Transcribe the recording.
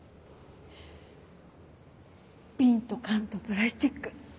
ビンと缶とプラスチック。